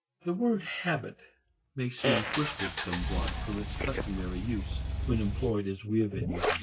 The word habit may seem twisted somewhat from its customary use when employed as we have been using it.